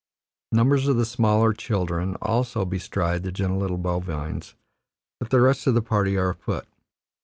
Numbers of the smaller children also bestride the gentle little bovines, but the rest of the party are afoot.